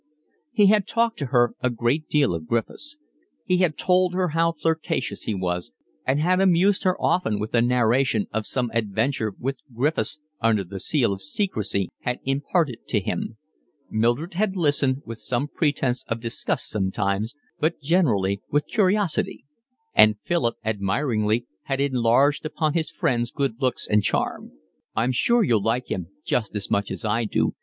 He had talked to her a great deal of Griffiths. He had told her how flirtatious he was and had amused her often with the narration of some adventure which Griffiths under the seal of secrecy had imparted to him. Mildred had listened, with some pretence of disgust sometimes, but generally with curiosity; and Philip, admiringly, had enlarged upon his friend's good looks and charm. "I'm sure you'll like him just as much as I do.